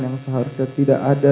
yang seharusnya tidak ada